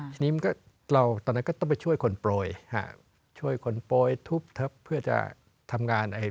ทีนี้มันก็เราตอนนั้นก็ต้องไปช่วยคนปล่อยฮะช่วยคนปล่อยทุบทับเพื่อจะทำงานไอ้